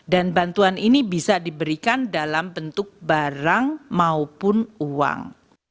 dan bantuan ini bisa diberikan dalam bentuk barang maupun uang